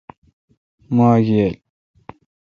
ماک ییل۔